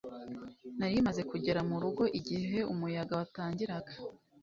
nari maze kugera mu rugo igihe umuyaga watangiraga